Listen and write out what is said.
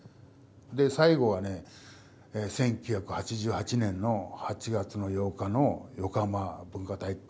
最後はね１９８８年の８月の８日の横浜文化体育館。